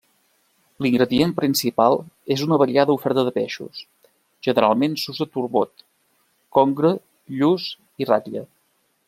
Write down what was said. L'ingredient principal és una variada oferta de peixos, generalment s'usa turbot, congre, lluç i ratlla.